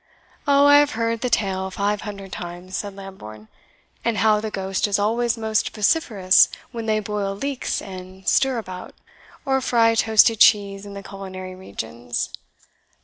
"Oh, I have heard the tale five hundred times," said Lambourne, "and how the ghost is always most vociferous when they boil leeks and stirabout, or fry toasted cheese, in the culinary regions.